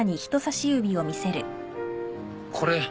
これ